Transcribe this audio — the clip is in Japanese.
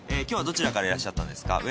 今日はどちらからいらっしゃったんですか？